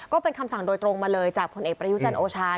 ก็เป็นคำสั่งโดยตรงมาเลยจากผลเอกประยุจันทร์โอชา